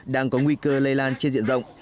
đang có nguy cơ lây lan trên diện rộng